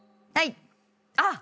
あっ！